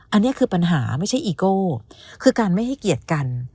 อันนี้คือปัญหาไม่ใช่อีโก้คือการไม่ให้เกียรติกัน